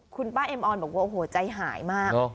คุณป้าเอ็มอร์ธบอกว่าใจหายมาก